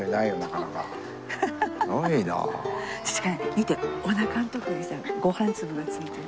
見ておなかのとこにさご飯粒が付いてる。